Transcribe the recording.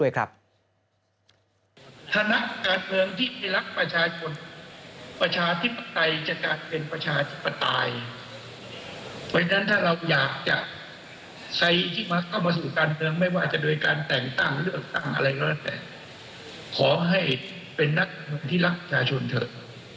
ขอให้เป็นนักการเมืองที่รักชาชนเถอะ